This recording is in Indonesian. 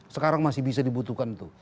sekarang masih bisa dibutuhkan tuh